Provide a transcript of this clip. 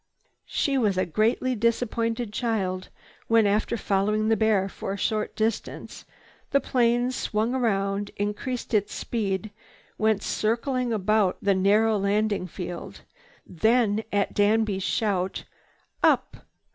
She was a greatly disappointed child when, after following the bear for a short distance, the plane swung round, increased its speed, went circling about the narrow landing field; then at Danby's shout, "UP!"